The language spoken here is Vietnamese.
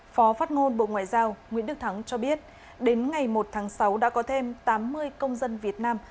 phó phát ngôn bộ ngoại giao nguyễn đức thắng cho biết đến ngày một tháng sáu đã có thêm tám mươi công dân việt nam